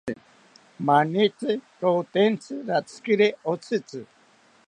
Manitzi rotentzimi ratzikiri otzitzi